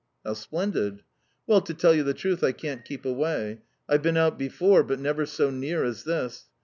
"How splendid!" "Well, to tell you the truth, I can't keep away. I've been out before, but never so near as this.